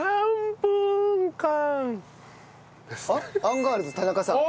アンガールズ田中さん？